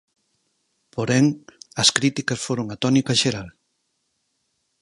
Porén, as críticas foron a tónica xeral.